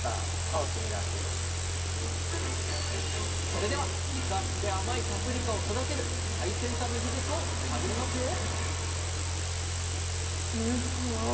それでは肉厚で甘いパプリカを育てる最先端の技術を探りますよ！